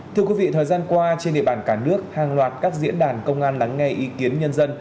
thưa quý vị thời gian qua trên địa bàn cả nước hàng loạt các diễn đàn công an lắng nghe ý kiến nhân dân